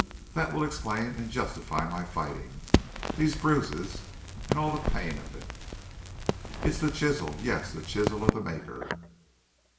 That will explain and justify my fighting these bruises, and all the pain of it. It's the chisel yes, the chisel of the Maker.